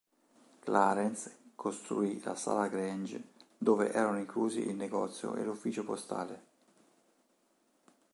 Clarence costruì la sala Grange dove erano inclusi il negozio e l'ufficio postale.